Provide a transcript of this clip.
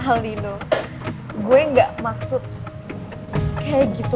alinu gue gak maksud kayak gitu